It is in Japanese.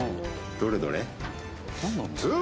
どれどれ？